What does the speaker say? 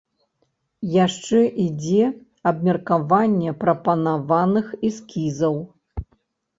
Яшчэ ідзе абмеркаванне прапанаваных эскізаў.